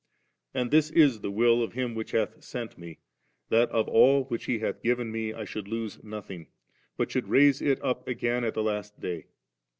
And this is the will of Him which hath sent Me, that of all which He hath given Me, I should lose nothing, but should raise it up again at the last day.